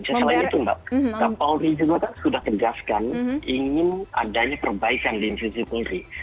saya salah satu mbak kak polri juga kan sudah tegaskan ingin adanya perbaikan di institusi polri